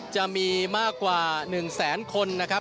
จะมีมากกว่า๑แสนคนนะครับ